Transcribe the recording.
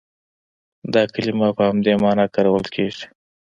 دا کلمه په همدې معنا کارول کېږي.